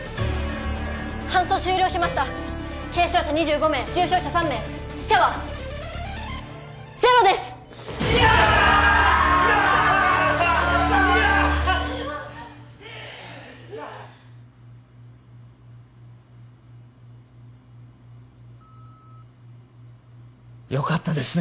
搬送終了しました軽傷者２５名重傷者３名死者はゼロですよかったですね